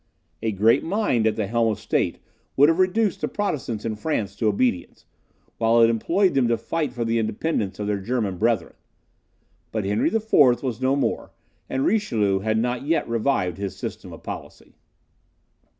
A great mind at the helm of state would have reduced the Protestants in France to obedience, while it employed them to fight for the independence of their German brethren. But Henry IV. was no more, and Richelieu had not yet revived his system of policy.